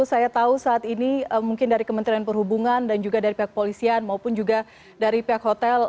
saya tahu saat ini mungkin dari kementerian perhubungan dan juga dari pihak polisian maupun juga dari pihak hotel